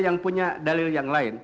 yang punya dalil yang lain